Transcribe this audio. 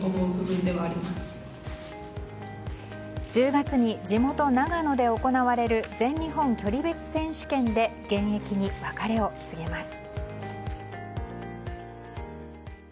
１０月に地元・長野で行われる全日本距離別選手権で現役に別れを告げます。